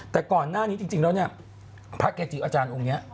แต่ก่อนหน้านี้จริงแล้วเนี่ยพระเกจิอาจารย์องค์นี้